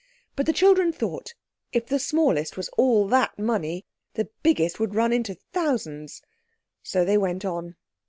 But the children thought, if the smallest was all that money, the biggest would run into thousands—so they went on.